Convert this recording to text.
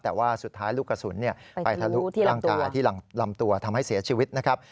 แต่ว่าสุดท้ายลูกกระสุนไปทะลุที่ร่างกายที่ลำตัวทำให้เสียชีวิตนะครับ